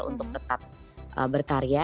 untuk tetap berkarya